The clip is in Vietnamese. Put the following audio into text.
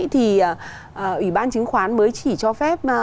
thì ủy ban trứng khoán mới chỉ cho phép